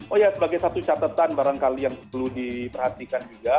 oh ya sebagai satu catatan barangkali yang perlu diperhatikan juga